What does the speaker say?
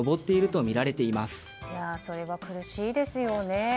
それは苦しいですよね。